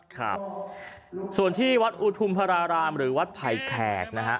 ครับส่วนที่วัดอุทุมพระรารามหรือวัดไผ่แขกนะฮะ